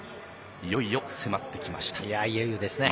いよいよ迫ってきました。